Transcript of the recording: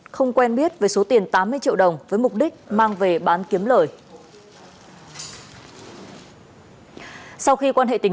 không quen biết về số tiền tám mươi triệu đồng với mục đích mang về bán kiếm lời sau khi quan hệ tình